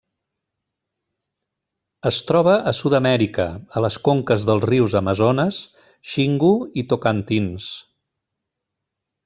Es troba a Sud-amèrica, a les conques dels rius Amazones, Xingu i Tocantins.